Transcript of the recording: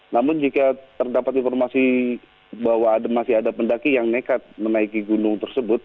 namun jika terdapat informasi bahwa masih ada pendaki yang nekat menaiki gunung tersebut